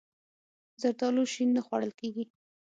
زردالو شین نه خوړل کېږي.